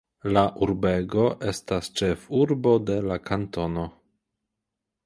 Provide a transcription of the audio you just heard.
La urbego estas ĉefurbo de la kantono.